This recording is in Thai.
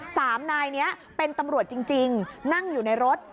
สามนายนี้เป็นตำรวจจริงนั่งอยู่ในรถ